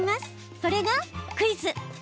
それがクイズ。